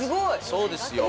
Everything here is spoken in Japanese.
そうですよ。